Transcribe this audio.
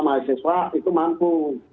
mahasiswa itu mampu